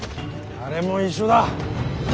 あれも一緒だ。